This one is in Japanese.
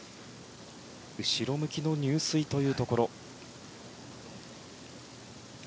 後ろ向きの入水というところ。